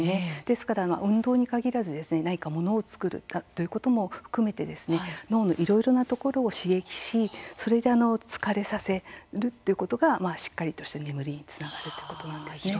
ですから運動に限らず何か物を作るということも含めて脳のいろいろなところを刺激しそれで疲れさせるということがしっかりとした眠りにつながるということなんですね。